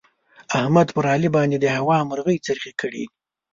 احمد پر علي باندې د هوا مرغۍ خرڅې کړې دي.